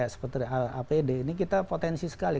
seperti apd ini kita potensi sekali